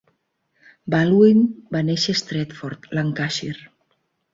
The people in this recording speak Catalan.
Baldwin va néixer a Stretford, Lancashire.